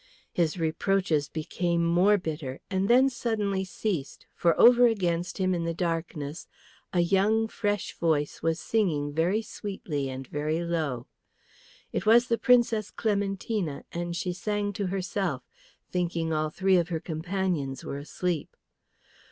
His reproaches became more bitter and then suddenly ceased, for over against him in the darkness a young, fresh voice was singing very sweetly and very low. It was the Princess Clementina, and she sang to herself, thinking all three of her companions were asleep.